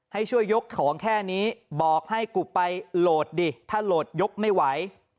ให้ช่วยยกของแค่นี้บอกให้กูไปโหลดดิถ้าโหลดยกไม่ไหว